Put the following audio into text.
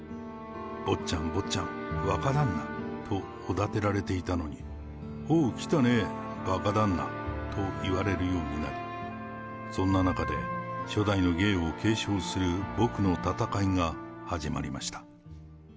坊ちゃん、坊ちゃん、若旦那とおだてられていたのに、おう、来たね、ばか旦那と言われるようになり、そんな中で、初代の芸を継承する僕の闘いが始まりました。